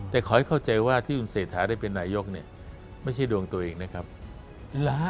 แต่ขอให้เข้าใจว่าที่คุณเศรษฐาได้เป็นนายกเนี่ยไม่ใช่ดวงตัวเองนะครับ